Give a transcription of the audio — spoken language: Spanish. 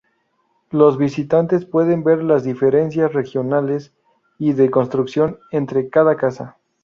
Los visitantes pueden ver las diferencias regionales y de construcción entre cada casa.